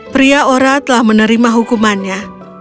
pria ora telah menerima hukumannya